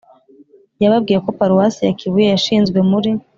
yababwiye ko paruwasi ya kibuye yashinzwe muri